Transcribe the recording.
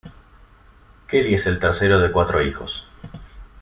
Kelly es el tercero de cuatro hijos.